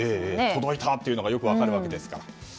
届いたというのがよく分かるわけです。